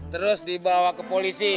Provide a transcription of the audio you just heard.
terus dibawa ke polisi